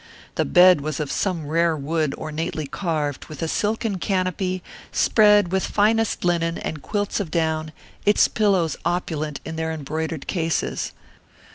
The bed was of some rare wood ornately carved, with a silken canopy, spread with finest linen and quilts of down, its pillows opulent in their embroidered cases.